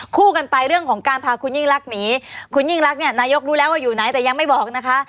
คู่กันไปเรื่องของการพาคุณยิ่งรักหนีคุณยิ่งรักเนี่ยนายกรู้แล้วว่าอยู่ไหนแต่ยังไม่บอกนะคะ